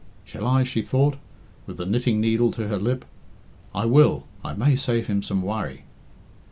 "Shall I?" she thought, with the knitting needle to her lip. "I will. I may save him some worry."